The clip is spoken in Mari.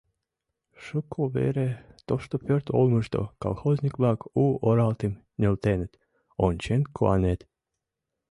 — Шуко вере тошто пӧрт олмышто колхозник-влак у оралтым нӧлтеныт, ончен куанет!